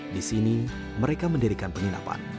di sini mereka mendirikan penginapan